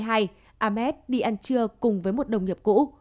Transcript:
ames đi ăn trưa cùng với một đồng nghiệp cũ